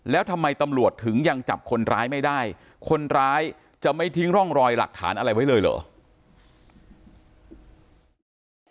แล้วทำไมตำรวจถึงยังจับคนร้ายไม่ได้คนร้ายจะไม่ทิ้งร่องรอยหลักฐานอะไรไว้เลยเหรอ